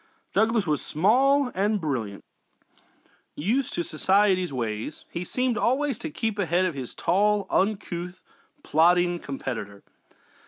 Douglas was small and brilliant; used to society ways, he seemed always to keep ahead of his tall, uncouth, plodding competitor.